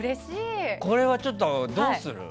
これはちょっと、どうする？